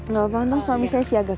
nggak apa apa untung suami saya siaget